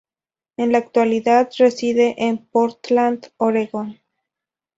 En la actualidad reside en Portland, Oregon.